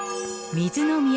水の都